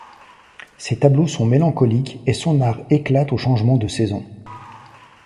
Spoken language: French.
Ses tableaux sont mélancoliques et son art éclate aux changements de saisons.